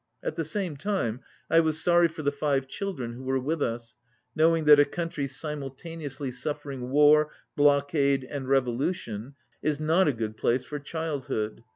At the same time I was sorry for the five children who were with us, knowing that a country simultaneously suffering war, blbckade and revolution is not a good place for child hood.